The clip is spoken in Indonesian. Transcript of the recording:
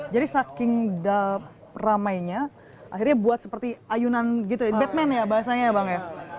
jadi saking daftar ramainya akhirnya buat seperti ayunan gitu batman ya bahasanya bang ya